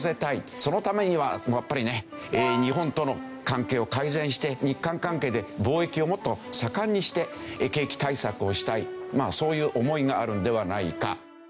そのためにはやっぱりね日本との関係を改善して日韓関係で貿易をもっと盛んにして景気対策をしたいそういう思いがあるのではないか。